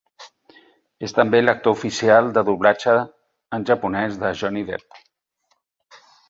És també l'actor oficial de doblatge en japonès de Johnny Depp.